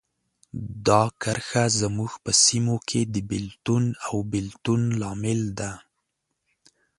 دا کرښه زموږ په سیمو کې د بېلتون او بیلتون لامل ده.